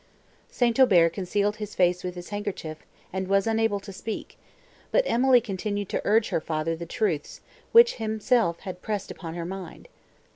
St. Aubert concealed his face with his handkerchief, and was unable to speak; but Emily continued to urge to her father the truths, which himself had impressed upon her mind.